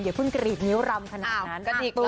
เพิ่งกรีดนิ้วรำขนาดนั้น